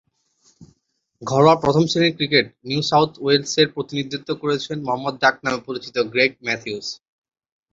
ঘরোয়া প্রথম-শ্রেণীর ক্রিকেটে নিউ সাউথ ওয়েলসের প্রতিনিধিত্ব করেছেন 'মো' ডাকনামে পরিচিত গ্রেগ ম্যাথিউস।